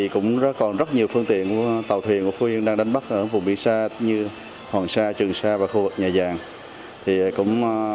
cũng còn rất nhiều phương tiện của tàu thuyền của phú yên đang đánh bắt ở vùng biển xa như hoàng sa trường sa và khu vực nhà giàng